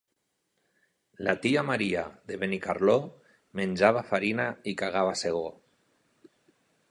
La tia Maria de Benicarló menjava farina i cagava segó.